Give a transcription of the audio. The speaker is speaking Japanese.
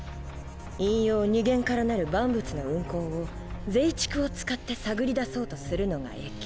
陰陽二元からなる万物の運行を筮竹を使って探り出そうとするのが易。